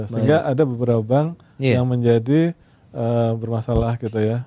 sehingga ada beberapa bank yang menjadi bermasalah gitu ya